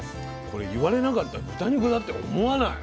これ言われなかったら豚肉だって思わない。